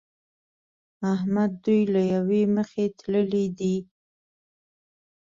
احمد دوی له يوې مخې تللي دي.